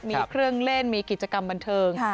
มีเครื่องเล่นมีกิจกรรมบันเทิง